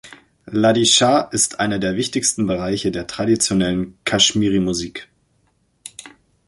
Ladishah ist einer der wichtigsten Bereiche der traditionellen Kashmiri-Musik.